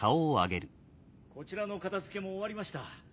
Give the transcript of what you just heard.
こちらの片付けも終わりました。